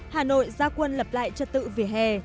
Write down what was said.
hà nội gia quân lập lại trật tự về hè